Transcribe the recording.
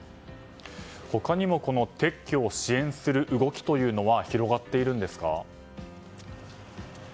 他にも撤去を支援する動きというのは広がっているんですか？